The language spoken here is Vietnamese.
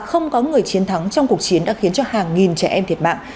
chứng thắng trong cuộc chiến đã khiến hàng nghìn trẻ em thiệt mạng